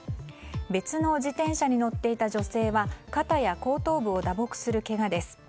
別の自転車に乗っていた女性は肩や後頭部を打撲するけがです。